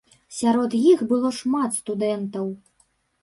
Сярод іх было шмат студэнтаў.